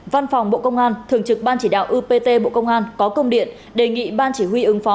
văn phòng bộ công an thường trực ban chỉ đạo upt bộ công an có công điện đề nghị ban chỉ huy ứng phó